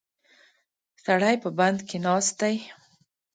سړی په بند کې ناست دی.